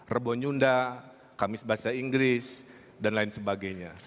rebonyunda kamis bahasa inggris dan lain sebagainya